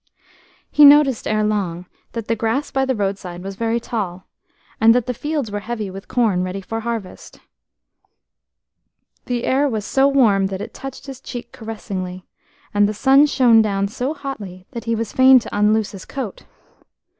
E noticed ere long that the grass by the roadside was very tall, and that the fields were heavy with corn ready for harvest. The air was so warm that it touched his cheek caressingly, and the sun shone down so hotly that he was fain to unloose his coat.